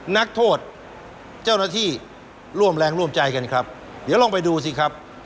นักโทษเจ้าหน้าที่ร่วมแรงร่วมใจกันครับเดี๋ยวลองไปดูสิครับ